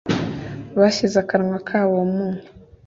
Bashyize akanwa kabo mu